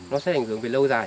nó sẽ ảnh hưởng về lâu dài